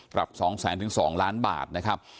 ปรับ๒๐๐๐๒ล้านบาทนะครับ